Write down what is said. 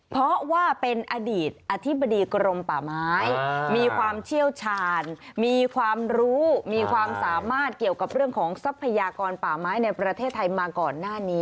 เพราะว่าเป็นอดีตอธิบดีกรมป่าไม้มีความเชี่ยวชาญมีความรู้มีความสามารถเกี่ยวกับเรื่องของทรัพยากรป่าไม้ในประเทศไทยมาก่อนหน้านี้